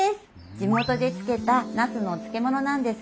地元で漬けたナスのお漬物なんです。